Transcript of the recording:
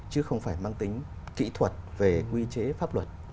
chứ không phải mang tính kỹ thuật về quy chế pháp luật